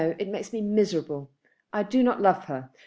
It makes me miserable. I do not love her.